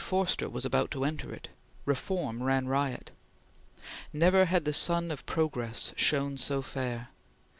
Forster was about to enter it; reform ran riot. Never had the sun of progress shone so fair.